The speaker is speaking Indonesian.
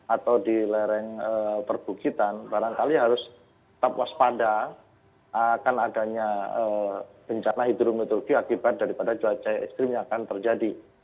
atau di lereng perbukitan barangkali harus tetap waspada akan adanya bencana hidrometeorologi akibat daripada cuaca ekstrim yang akan terjadi